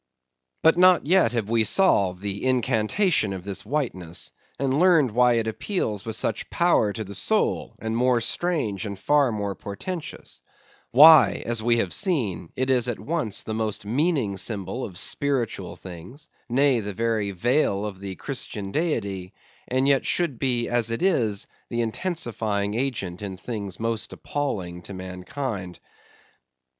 But not yet have we solved the incantation of this whiteness, and learned why it appeals with such power to the soul; and more strange and far more portentous—why, as we have seen, it is at once the most meaning symbol of spiritual things, nay, the very veil of the Christian's Deity; and yet should be as it is, the intensifying agent in things the most appalling to mankind.